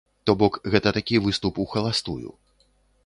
То бок, гэта такі выступ ухаластую.